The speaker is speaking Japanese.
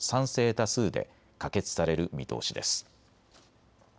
多数で可決される見通しです。